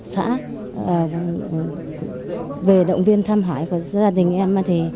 xã về động viên thăm hỏi của gia đình em